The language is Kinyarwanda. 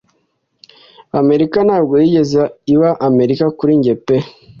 Amerika ntabwo yigeze iba Amerika kuri njye pe